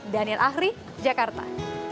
daniel ahri jakarta